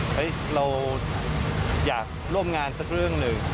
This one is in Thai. เราอยากร่วมงานสักเรื่องหนึ่ง